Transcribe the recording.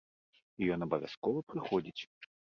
І ён абавязкова прыходзіць.